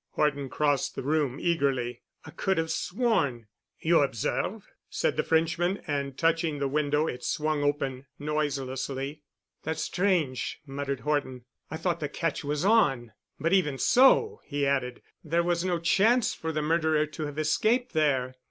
Horton crossed the room eagerly. "I could have sworn——" "You observe——?" said the Frenchman, and touching the window, it swung open noiselessly. "That's strange," muttered Horton, "I thought the catch was on. But even so," he added, "there was no chance for the murderer to have escaped there.